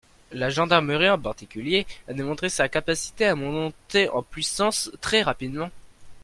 La gendarmerie en particulier a démontré sa capacité à monter en puissance très rapidement.